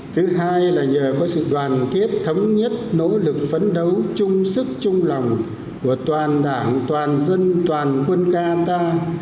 thứ hai là nhờ có sự đoàn kết thống nhất nỗ lực phấn đấu chung sức chung lòng của toàn đảng toàn dân toàn quân ta